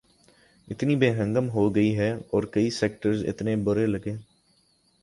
اتنی بے ہنگم ہو گئی ہے اور کئی سیکٹرز اتنے برے لگنے